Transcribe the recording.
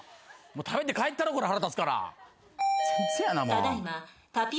食べて帰ったろう腹立つから。